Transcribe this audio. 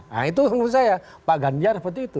nah itu menurut saya pak ganjar seperti itu